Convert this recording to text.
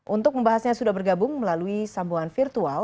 untuk membahasnya sudah bergabung melalui sambungan virtual